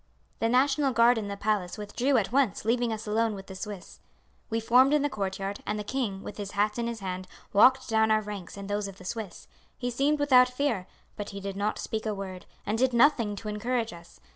The National Guard in the palace withdrew at once, leaving us alone with the Swiss. "We formed in the courtyard; and the king, with his hat in his hand, walked down our ranks and those of the Swiss. He seemed without fear, but he did not speak a word, and did nothing to encourage us.